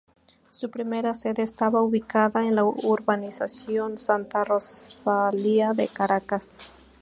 Su primera sede estaba ubicada en la urbanización Santa Rosalía de Caracas.